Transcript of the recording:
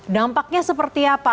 dampaknya seperti apa